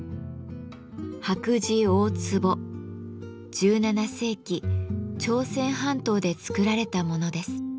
１７世紀朝鮮半島で作られたものです。